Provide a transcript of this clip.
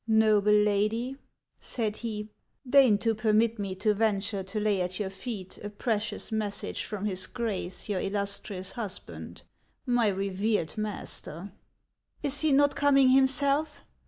" Xoble lady," said he, " deign to permit me to venture to lay at your feet a precious message from his Grace your illustrious husband, my revered master." " Is he not coming himself